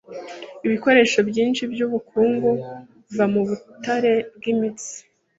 Ibikoresho byinshi byubukungu biva mubutare bwimitsi